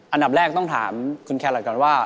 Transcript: อันดับแรกต้องถามคุณแครอทก่อนว่า